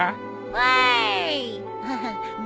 わい。